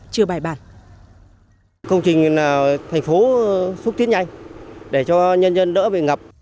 chống ngập chưa bài bản